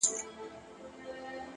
خپل ظرفیت وکاروئ تر څو وده وکړئ!